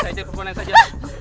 saya dia keponeng saja